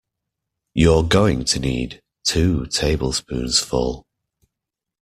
You’re going to need two tablespoonsful.